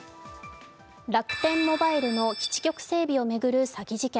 楽天モバイルの基地局整備を巡る詐欺事件。